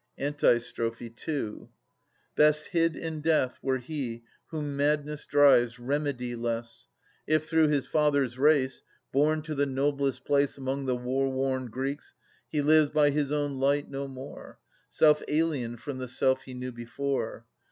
Antistrophe II. Best hid in death were he whom madness drives Remediless ; if, through his father's race Born to the noblest place Among the war worn Greeks, he lives By his own light no more. Self aliened from the self he knew before.